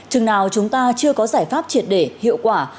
chừng nào chúng ta chưa có giải pháp triệt để hiệu quả